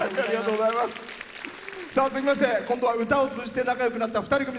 続きまして今度は歌を通じて仲よくなった２人組。